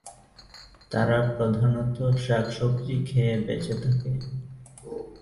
তারা প্রধানত শাক-সব্জি খেয়ে বেচে থাকে।